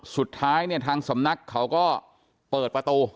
สุดท้ายเนี่ยทางสำนักเขาก็เปิดประตู